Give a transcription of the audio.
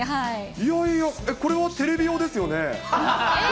いやいや、これはテレビ用ですよね。